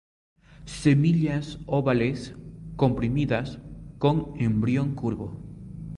Semillas ovales, comprimidas; con embrión curvo.